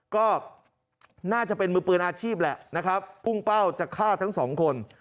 ก็น่าจะเป็นมือปืนอาชีพแหละนะครับพุ่งเป้าจะฆ่าทั้งสองคน